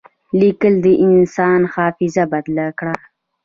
لیکل د انسان حافظه بدل کړه.